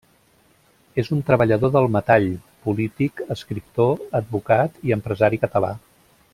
És un treballador del metall, polític, escriptor, advocat i empresari català.